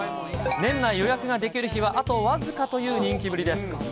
年内予約ができる日はあと僅かという人気ぶりです。